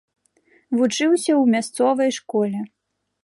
Вучыўся ў мясцовай школе.